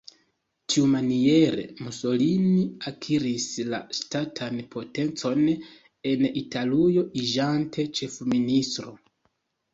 Tiumaniere Mussolini akiris la ŝtatan potencon en Italujo iĝante ĉefministro.